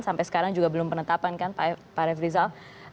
sampai sekarang juga belum penetapan kan pak refri zal